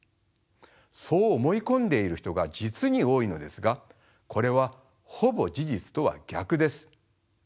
そう思い込んでいる人が実に多いのですがこれはほぼ事実とは逆です。